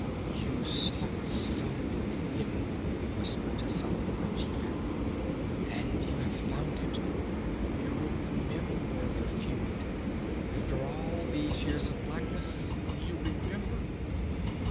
"You sought something hidden!" whispered Tascela, cringing back. "And you have found it! You remember the feud! After all these years of blackness, you remember!"